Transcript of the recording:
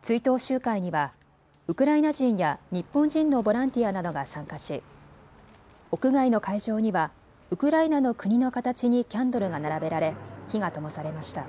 追悼集会にはウクライナ人や日本人のボランティアなどが参加し屋外の会場にはウクライナの国の形にキャンドルが並べられ火がともされました。